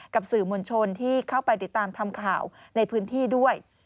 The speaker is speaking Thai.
กับสื่อมวลชนที่เข้าไปติดตามทำข่าวในพื้นที่ด้วย